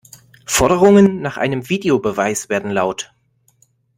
Forderungen nach einem Videobeweis werden laut.